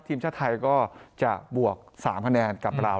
ทีมชาติไทยก็จะบวก๓คะแนนกับเรา